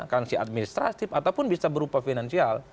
kasih administrasif ataupun bisa berupa finansial